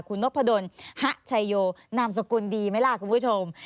คุณนพดลฮะชัยโยนามสกุลดีไหมล่ะคุณผู้ชม